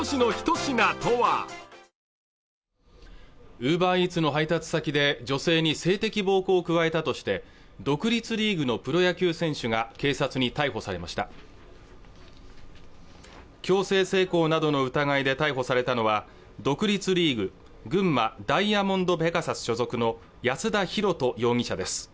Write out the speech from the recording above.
ウーバーイーツの配達先で女性に性的暴行を加えたとして独立リーグのプロ野球選手が警察に逮捕されました強制性交などの疑いで逮捕されたのは独立リーグ群馬ダイヤモンドペガサス所属の安田尋登容疑者です